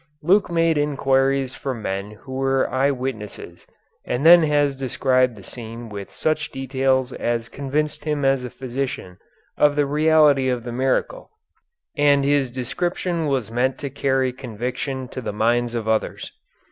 Luke made inquiries from men who were eye witnesses, and then has described the scene with such details as convinced him as a physician of the reality of the miracle, and his description was meant to carry conviction to the minds of others.